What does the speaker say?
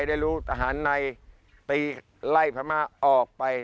ได้รู้ทหารในไปไล่พม่าออกไป